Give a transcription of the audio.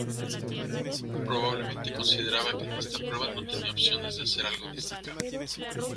Probablemente consideraba que en esta prueba no tenía opciones de hacer algo destacable.